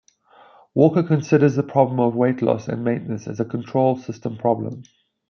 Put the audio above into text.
Walker considers the problem of weight loss and maintenance as a control system problem.